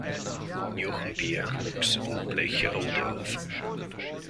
Jochen Berg wuchs in Bleicherode auf.